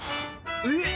えっ！